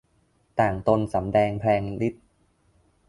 ต่างตนสำแดงแผลงฤทธิ์